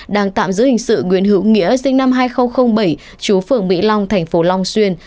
đang tạm giữ hình sự nguyễn hữu nghĩa sinh năm hai nghìn bảy chú phường mỹ long thành phố long xuyên